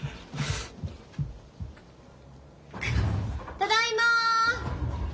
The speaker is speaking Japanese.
・・ただいま！